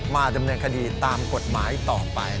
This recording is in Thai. มาดำเนินคดีตามกฎหมายต่อไป